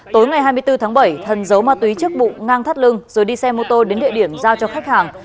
tối ngày hai mươi bốn tháng bảy thần giấu ma túy trước bụng ngang thắt lưng rồi đi xe mô tô đến địa điểm giao cho khách hàng